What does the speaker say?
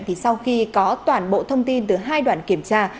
thì sau khi có toàn bộ thông tin từ hai đoàn kiểm tra